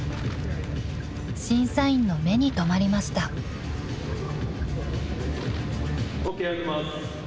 ［審査員の目に留まりました］ＯＫ。